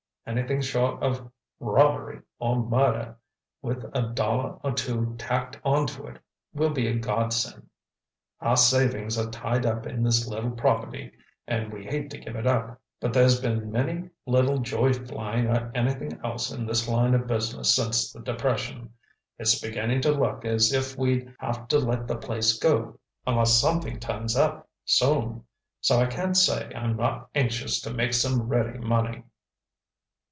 Anything short of robbery or murder with a dollar or two tacked onto it will be a godsend. Our savings are tied up in this little property and we hate to give up. But there's been mighty little joy flying or anything else in this line of business since the depression. It's beginning to look as if we'd have to let the place go unless something turns up soon. So I can't say I'm not anxious to make some ready money."